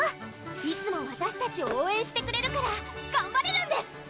いつもわたしたちを応援してくれるから頑張れるんです！